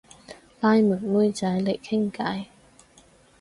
拉妹妹仔嚟傾偈